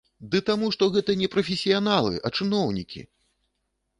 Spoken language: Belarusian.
Ды таму, што гэта не прафесіяналы, а чыноўнікі!